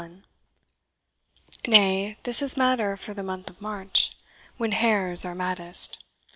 Nay, this is matter for the month of March, When hares are maddest.